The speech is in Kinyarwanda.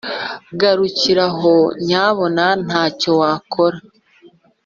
Garukira aho nyabuna! Ntacyo wakora